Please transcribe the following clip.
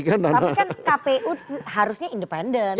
tapi kan kpu harusnya independen